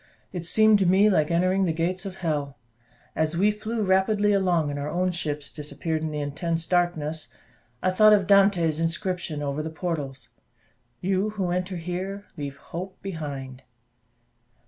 It seemed to me like entering the gates of hell. As we flew rapidly along, and our own ships disappeared in the intense darkness, I thought of Dante's inscription over the portals: "You who enter here, leave hope behind."